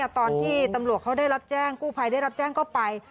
ตอนที่ตำรวจเขาได้รับแจ้งกู้ภัยได้รับแจ้งก็ไป